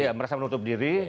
ya merasa menutup diri